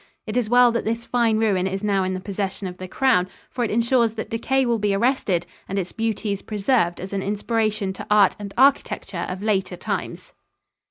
It is well that this fine ruin is now in the possession of the Crown, for it insures that decay will be arrested and its beauties preserved as an inspiration to art and architecture of later times.